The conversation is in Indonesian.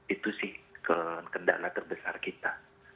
itu sih kendala terbesar kita